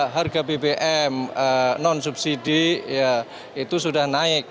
harga bbm non subsidi itu sudah naik